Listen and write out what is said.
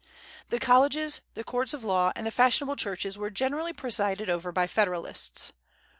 The colleges, the courts of law, and the fashionable churches were generally presided over by Federalists.